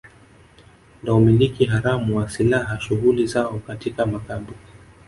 na umiliki haramu wa silaha shughuli zao katika makambi